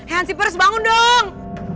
handsipers bangun dong